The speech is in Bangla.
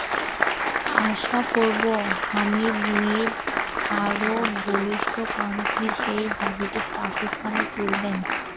আশা করব, হামিদ মির আরও বলিষ্ঠ কণ্ঠে সেই দাবিটি পাকিস্তানে তুলবেন।